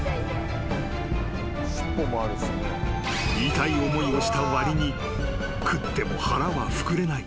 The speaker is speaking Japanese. ［痛い思いをした割に食っても腹は膨れない］